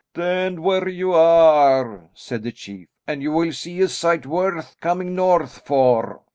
"Stand where you are," said the chief, "and you will see a sight worth coming north for."